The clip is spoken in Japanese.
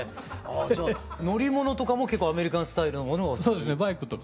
じゃあ乗り物とかも結構アメリカンスタイルのものがお好き？